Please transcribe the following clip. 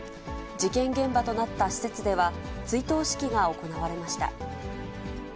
事件現場となった施設では、追悼式が行われました。